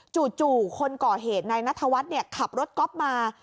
จู่คนก่อเหตุนายนัทวัฒน์ขับรถก๊อฟมา